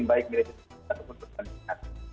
baik militer atau pemerintah